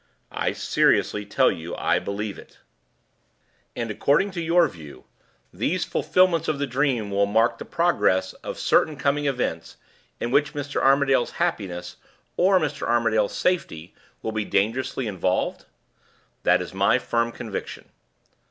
"I seriously tell you I believe it." "And, according to your view, these fulfillments of the dream will mark the progress of certain coming events, in which Mr. Armadale's happiness, or Mr. Armadale's safety, will be dangerously involved?" "That is my firm conviction."